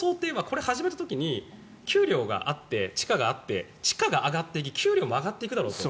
本当の想定はこれを始めた時に給料があって地価があって給料が上がって地価も上がっていくだろうと。